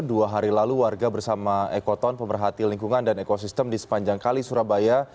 dua hari lalu warga bersama ekoton pemerhati lingkungan dan ekosistem di sepanjang kali surabaya